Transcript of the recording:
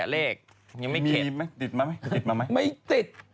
ยังไม่เข็ตติดมาไหมไม่ติด